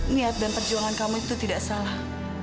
niat dan perjuangan kamu itu tidak salah